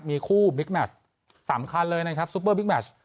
มีคู่บิ๊กแมชสำคัญเลยนะครับซุปเปอร์บิ๊กแมช